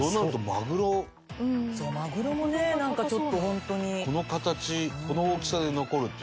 マグロもねなんかちょっとホントに。